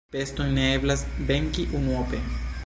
Peston ne eblas venki unuope.